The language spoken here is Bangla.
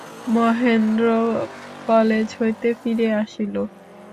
মহেন্দ্র কালেজ হইতে ফিরিয়া আসিল।